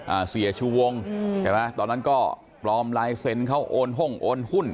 อ่าเสียชูวงใช่ไหมตอนนั้นก็ปลอมลายเซ็นต์เขาโอนห้องโอนหุ้น